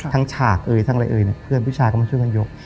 ฉากเอยทั้งอะไรเอ่ยเนี่ยเพื่อนผู้ชายก็มาช่วยกันยก